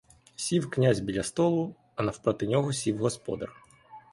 Сів князь біля столу, а напроти нього сів господар.